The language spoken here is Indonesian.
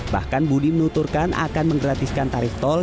bahkan budi menuturkan akan menggratiskan tarif tol